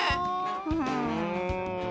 うん。